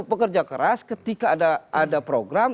pekerja keras ketika ada program